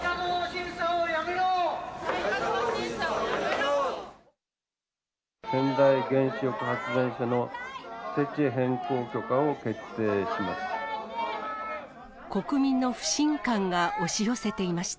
川内原子力発電所の設置変更許可を決定します。